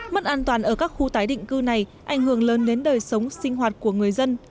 mất an toàn ở các khu tái định cư này ảnh hưởng lớn đến đời sống sinh hoạt của người dân